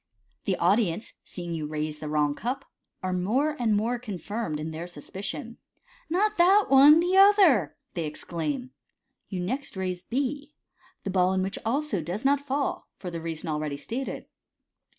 The audience, seeing you raise the wron# cup, are more and more confirmed in their suspicion. " Not that one, the other,' ' they ex claim. You next raise B, the ball in which also does not fall, for the leason already stated.